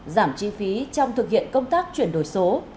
giảm chi phí trong thực hiện công tác chuyển đổi số